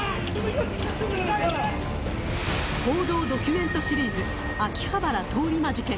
報道ドキュメントシリーズ秋葉原通り魔事件。